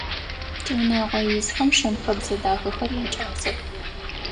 Тиунагъо исхэм шэн-хэбзэ дахэхэр якӀасэх.